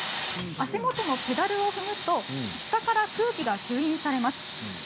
足元のペダルを踏むと下から空気が出てきます。